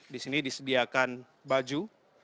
di sini disediakan baju